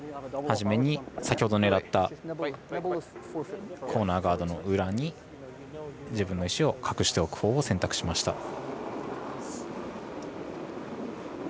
初めに先ほど狙ったコーナーガードの裏に自分の石を隠しておくほうを選択しました。